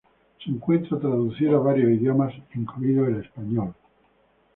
Se encuentra traducido a varios idiomas incluido el Español.